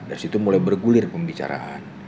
dari situ mulai bergulir pembicaraan